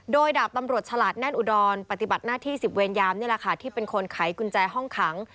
โดยดาบตำรวจฉลาดแน่นอุดรปฏิบัติหน้าที่๑๐เวรยามนี่แหละค่ะที่เป็นคนไขกุญแจห้องขัง